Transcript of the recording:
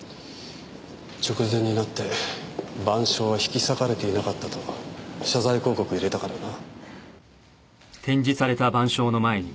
直前になって『晩鐘』は引き裂かれていなかったと謝罪広告を入れたからな。